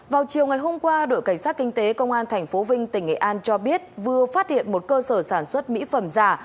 vào chiều ngày hôm qua đội cảnh sát kinh tế công an tp vinh tỉnh nghệ an cho biết vừa phát hiện một cơ sở sản xuất mỹ phẩm giả